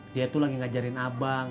dia tuh lagi ngajarin abang